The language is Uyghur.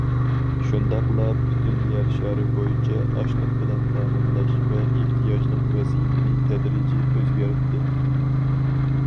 شۇنداقلا پۈتۈن يەر شارى بويىچە ئاشلىق بىلەن تەمىنلەش ۋە ئېھتىياجنىڭ ۋەزىيىتىنى تەدرىجىي ئۆزگەرتتى.